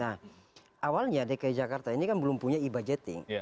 nah awalnya dki jakarta ini kan belum punya e budgeting